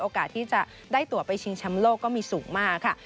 ที่จะได้ตัวไปชิงแชมป์โลกก็มีสูงมากค่ะ